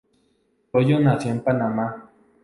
Royo nació en Panamá.